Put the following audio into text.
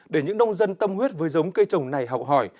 để những nông dân tâm huyết với giống cây trồng này học hỏi